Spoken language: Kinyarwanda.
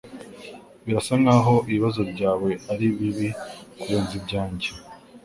Birasa nkaho ibibazo byawe ari bibi kurenza ibyanjye